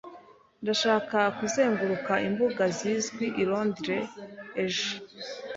Ndashaka kuzenguruka imbuga zizwi i Londres ejo.